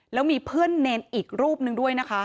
แล้วมีเพื่อนเนรอีกรูปนึงด้วยนะคะ